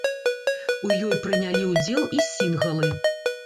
У ёй прынялі ўдзел і сінгалы.